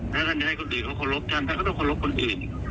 ถ้าท่านจะให้คนอื่นเขาเคารพท่านท่านก็ต้องเคารพคนอื่น